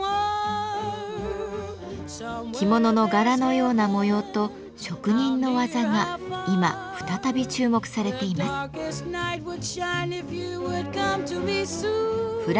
着物の柄のような模様と職人の技が今再び注目されています。